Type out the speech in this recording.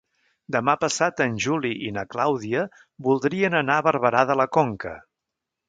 Demà passat en Juli i na Clàudia voldrien anar a Barberà de la Conca.